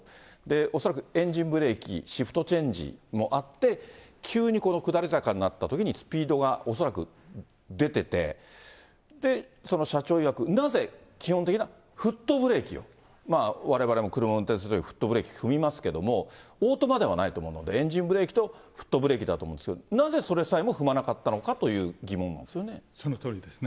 恐らくエンジンブレーキ、シフトチェンジもあって、急にこの下り坂になったときに、スピードが恐らく出てて、社長いわく、なぜ、基本的なフットブレーキを、われわれも車運転するときフットブレーキ踏みますけれども、オートマではないと思うので、エンジンブレーキとフットブレーキだと思うんですけど、なぜそれさえも踏まなかったのかという疑問そのとおりですね。